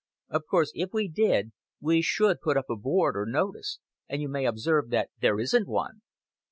Of course if we did, we should put up a board, or notice and you may observe that there isn't one."